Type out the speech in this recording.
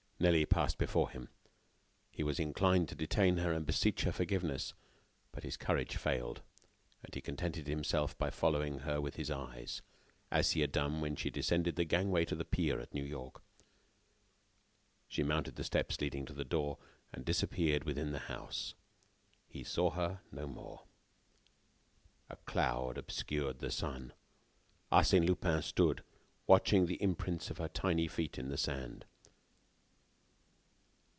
Nelly passed before him. He was inclined to detain her and beseech her forgiveness. But his courage failed, and he contented himself by following her with his eyes, as he had done when she descended the gangway to the pier at New York. She mounted the steps leading to the door, and disappeared within the house. He saw her no more. A cloud obscured the sun. Arsène Lupin stood watching the imprints of her tiny feet in the sand.